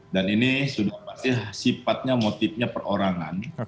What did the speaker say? dan ini sudah pasti sifatnya motifnya perorangan